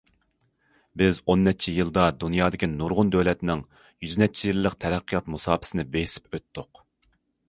بىز ئون نەچچە يىلدا دۇنيادىكى نۇرغۇن دۆلەتنىڭ يۈز نەچچە يىللىق تەرەققىيات مۇساپىسىنى بېسىپ ئۆتتۇق.